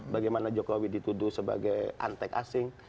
bagaimana jokowi dituduh sebagai antek asing